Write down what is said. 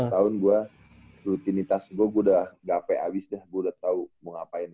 dua belas tahun gue rutinitas gue udah gape abis deh gue udah tau mau ngapain